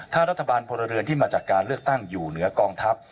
ถ้ารัฐบาลพลเรือนที่มาจากการเลือกตั้งอยู่เหนือกองทัพ